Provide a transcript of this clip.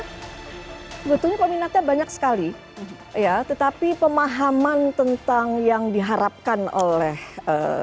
sebetulnya peminatnya banyak sekali ya tetapi pemahaman tentang yang diharapkan oleh ee